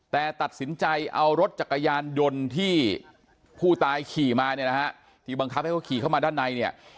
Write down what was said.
แต่ตัดสินใจเอารถจักรยานยนต์ที่ผู้ตายขี่มาเนี่ยนะฮะที่บังคับให้เขาขี่เข้ามาด้านในเนี่ย